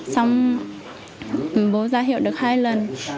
xong bố ra hiệu được hai lần